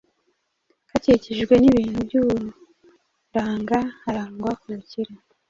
hakikijwe n’ibintu by’uburanga, harangwa ubukire,